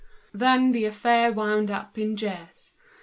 Then the affair wound up in jeers.